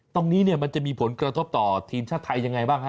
ตรงนี้มันจะมีผลกระทบต่อทีมชาติไทยยังไงบ้างฮะ